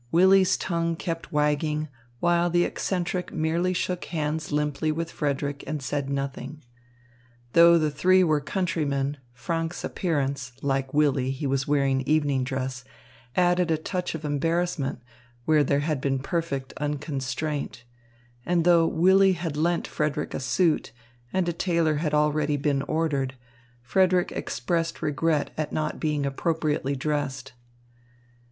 Willy's tongue kept wagging, while the eccentric merely shook hands limply with Frederick and said nothing. Though the three were countrymen, Franck's appearance like Willy, he was wearing evening dress added a touch of embarrassment where there had been perfect unconstraint; and though Willy had lent Frederick a suit, and a tailor had already been ordered, Frederick expressed regret at not being appropriately dressed.